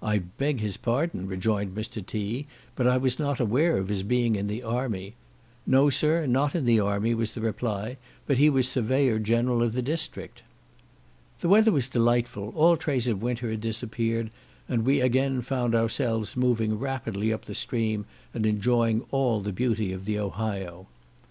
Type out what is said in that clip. "I beg his pardon," rejoined Mr. T—, "but I was not aware of his being in the army." "No, sir, not in the army," was the reply, "but he was surveyor general of the district." The weather was delightful; all trace of winter had disappeared, and we again found ourselves moving rapidly up the stream, and enjoying all the beauty of the Ohio.